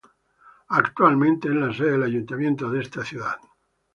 Actualmente es la sede del ayuntamiento de esta ciudad.